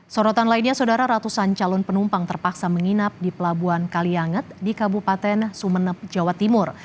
sorotan lainnya saudara ratusan calon penumpang terpaksa menginap di pelabuhan kalianget di kabupaten sumeneb jawa timur